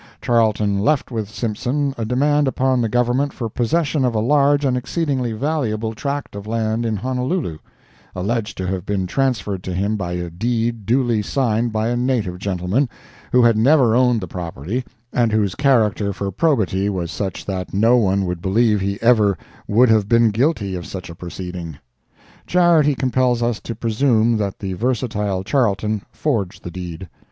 Charlton left with Simpson a demand upon the Government for possession of a large and exceedingly valuable tract of land in Honolulu, alleged to have been transferred to him by a deed duly signed by a native gentleman, who had never owned the property, and whose character for probity was such that no one would believe he ever would have been guilty of such a proceeding. Charity compels us to presume that the versatile Charlton forged the deed.